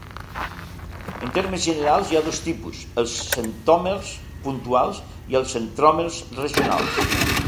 En termes generals, hi ha dos tipus: els centròmers puntuals i els centròmers regionals.